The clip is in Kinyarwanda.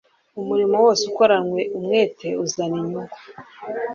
Umurimo wose ukoranywe umwete uzana inyungu